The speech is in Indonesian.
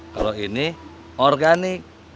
kalau ini organik